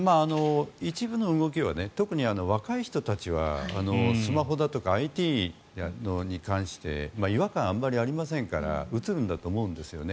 一部の動きは特に若い人たちはスマホだとかＩＴに関して違和感はあんまりありませんから移るんだと思うんですよね。